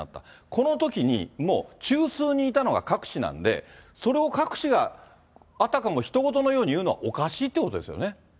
このときに、もう中枢にいたのがクァク氏なんで、それをクァク氏が、あたかもひと事のように言うのはおかしいってことですよね？